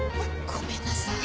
ごめんなさい。